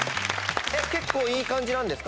結構いい感じなんですか？